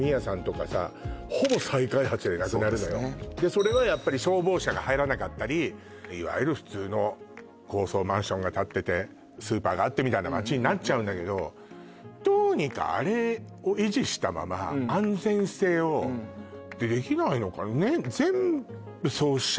それはやっぱり消防車が入らなかったりいわゆる普通の高層マンションが立っててスーパーがあってみたいな街になっちゃうんだけどどうにかあれを維持したまま安全性をってできないのかね